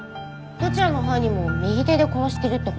どちらの犯人も右手で殺してるって事？